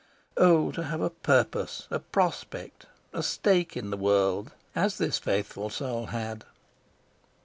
Oh, to have a purpose, a prospect, a stake in the world, as this faithful soul had!